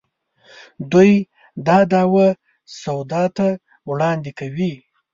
دوی دا دعوه سودا ته وړاندې کوي.